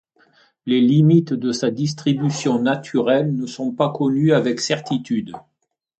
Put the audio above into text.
Les limites de sa distribution naturelle ne sont pas connues avec certitude.